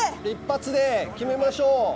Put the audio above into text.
一発で決めましょう。